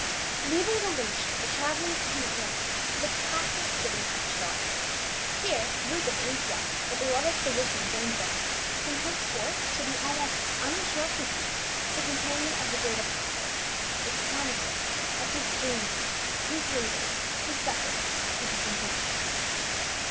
LEAVING Galatia, the travelers came at length to the classic city of Troas ; here Luke of An tioch, "the beloved physician," joined them; from henceforth to be almost uninterruptedly the companion of the great apostle, the chronicler of his journeys, his labors, his sufferings and his imprisonments.